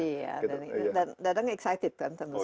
iya dan anda nge excited kan tuan musa